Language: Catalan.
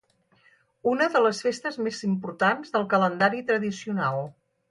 una de les festes més importants del calendari tradicional